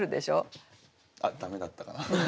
あっ駄目だったかな。